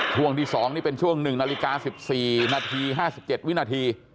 ช่วงที่๒นี่เป็นช่วง๑นาฬิกา๑๔นาที๕๗วินาที